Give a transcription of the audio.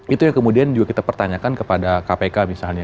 itu yang kemudian juga kita pertanyakan kepada kpk misalnya